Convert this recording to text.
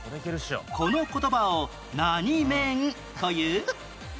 この言葉を何メンという？